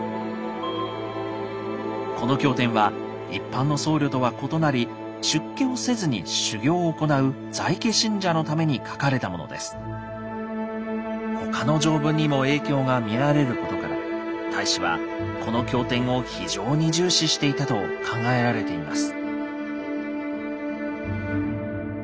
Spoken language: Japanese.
この経典は一般の僧侶とは異なり出家をせずに修行を行う他の条文にも影響が見られることから太子はこの経典を非常に重視していたと考えられています。